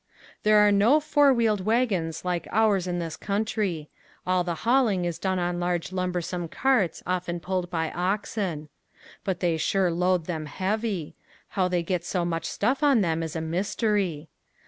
There are no four wheeled wagons like ours in this country. All the hauling is done on large lumbersome carts often pulled by oxen. But they sure load them heavy; how they get so much stuff on them is a mystery.